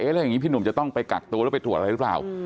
แล้วอย่างนี้พี่หนุ่มจะต้องไปกักตัวหรือไปตรวจอะไรหรือเปล่า